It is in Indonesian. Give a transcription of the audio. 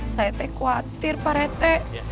saya teh khawatir pak retek